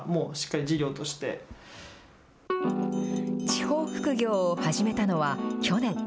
地方副業を始めたのは去年。